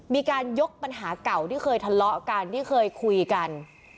มีการยกปัญหาเก่าที่เคยทะเลาะกันที่เคยคุยกัน